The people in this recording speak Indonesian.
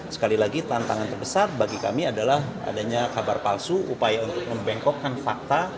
sekali lagi tantangan terbesar bagi kami adalah adanya kabar palsu upaya untuk membengkokkan fakta